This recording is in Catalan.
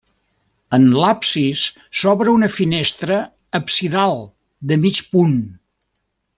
En l'absis s'obre una finestra absidal de mig punt.